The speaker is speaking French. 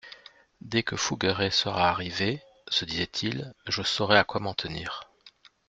Dès que Fougueray sera arrivé, se disait-il, je saurai à quoi m'en tenir.